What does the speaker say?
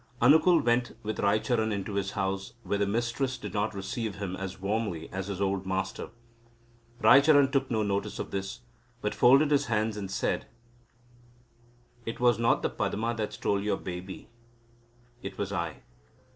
Anukul went with Raicharan into the house, where the mistress did not receive him as warmly as his old master. Raicharan took no notice of this, but folded his hands, and said: "It was not the Padma that stole your baby. It was I."